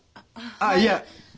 あっいや。